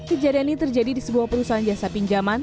kejadian ini terjadi di sebuah perusahaan jasa pinjaman